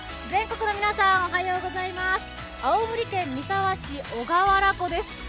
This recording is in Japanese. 全国の皆さん、おはようございます青森県三沢市・小川原湖です。